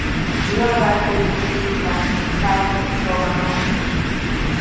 Waqar puriptiiqa paymi shuqakaman.